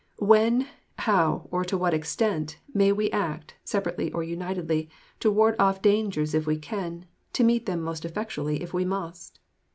When, how, or to what extent may we act, separately or unitedly, to ward off dangers if we can, to meet them most effectually if we must?